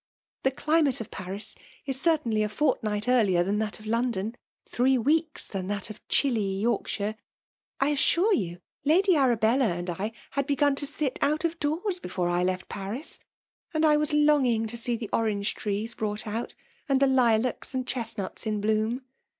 "The climate of Paris is certainhf f^ fortnight earlier than that of London, tbee weeks than that of chilly Yorkshire. I as Bore you. Lady Arabella and I had begun to rit out of doors before I left Paris ; and I was longing to see the orangO' trees brought out, and the lilacs and chestnuts in bloom."